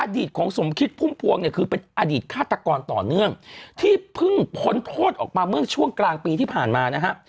ของสมคิดพุ่มพวงเนี่ยคือเป็นอดีตฆาตกรต่อเนื่องที่เพิ่งพ้นโทษออกมาเมื่อช่วงกลางปีที่ผ่านมานะฮะ